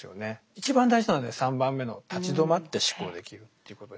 一番大事なので３番目の「立ち止まって思考できる」ということで。